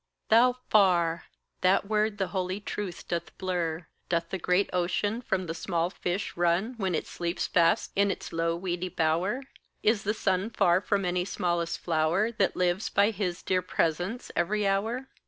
Thou far! that word the holy truth doth blur. Doth the great ocean from the small fish run When it sleeps fast in its low weedy bower? Is the sun far from any smallest flower, That lives by his dear presence every hour?